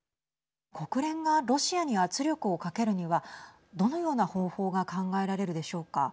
国連がロシアに圧力をかけるにはどのような方法が考えられるでしょうか。